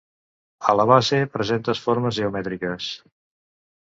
A la base presentes formes geomètriques.